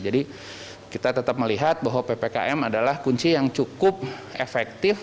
jadi kita tetap melihat bahwa ppkm adalah kunci yang cukup efektif